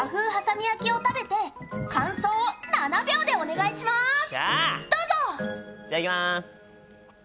いただきます。